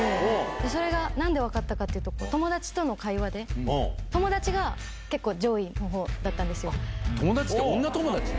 それがなんで分かったかっていうと、友達との会話で、友達が結構上位のほうだったんですよ。